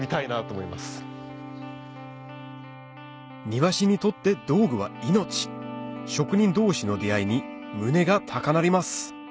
庭師にとって道具は命職人同士の出会いに胸が高鳴ります